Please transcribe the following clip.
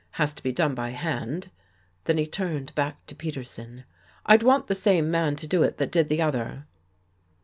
Has to be done by hand." Then he turned back to Peterson. " I'd want the same man to do it that did the other."